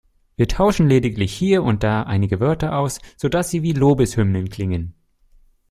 Wir tauschen lediglich hier und da einige Wörter aus, sodass sie wie Lobeshymnen klingen.